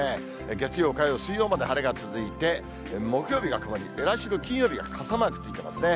月曜、火曜、水曜まで晴れが続いて、木曜日が曇り、来週の金曜日が傘マークついてますね。